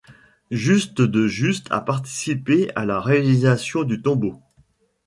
Juste de Juste a participé à la réalisation du tombeau.